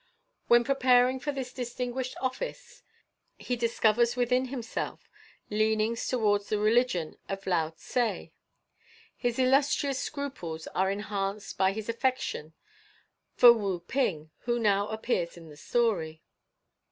When preparing for this distinguished office he discovers within himself leanings towards the religion of Lao Tse. His illustrious scruples are enhanced by his affection for Wu Ping, who now appears in the story."